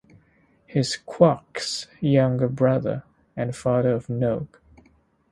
He is Quark's younger brother, and the father of Nog.